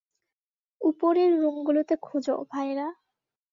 উপরের রুমগুলোতে খোঁজো, ভাইয়েরা।